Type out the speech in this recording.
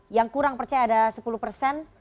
yang kurang percaya ada sepuluh persen